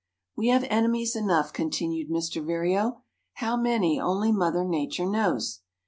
"We have enemies enough," continued Mr. Vireo, "how many only Mother Nature knows.